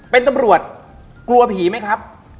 เป็นตำรวจกลัวผีไหมครับ